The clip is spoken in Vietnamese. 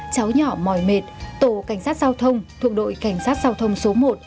cháu nhỏ mỏi mệt tổ cảnh sát giao thông thuộc đội cảnh sát giao thông số một